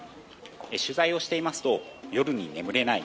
取材をしていますと夜に眠れない。